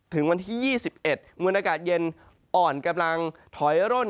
ถึงวันที่๒๑มวลอากาศเย็นอ่อนกำลังถอยร่น